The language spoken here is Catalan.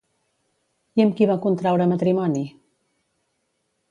I amb qui va contraure matrimoni?